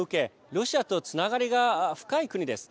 ロシアとつながりが深い国です。